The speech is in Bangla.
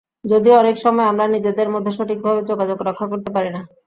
যদিও অনেক সময় আমরা নিজেদের মধ্যে সঠিকভাবে যোগাযোগ রক্ষা করতে পারি না।